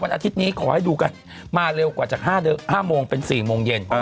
อาทิตย์นี้ขอให้ดูกันมาเร็วกว่าจาก๕โมงเป็น๔โมงเย็น